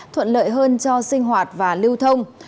thuận lợi hơn cho sinh hoạt và lưu thông